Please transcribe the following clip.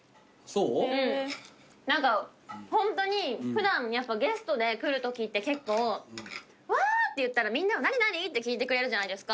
うん何かホントに普段やっぱゲストで来るときって結構「うわー」って言ったらみんなが「何？何？」って聞いてくれるじゃないですか。